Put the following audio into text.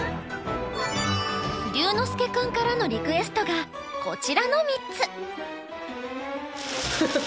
琉之介君からのリクエストがこちらの３つ。